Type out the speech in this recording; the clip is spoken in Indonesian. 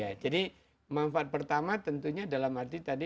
ya jadi manfaat pertama tentunya dalam arti tadi